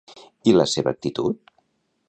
I la seva actitud?